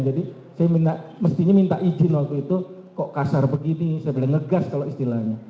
jadi saya minta izin waktu itu kok kasar begini saya bilang ngegas kalau istilahnya